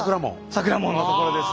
桜門のところです。